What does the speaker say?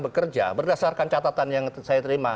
bekerja berdasarkan catatan yang saya terima